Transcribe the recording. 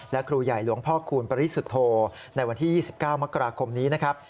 และครูใหญ่หลวงพ่อคูณปริสุทธโธในวันที่๒๙มกราคมนี้นะครับ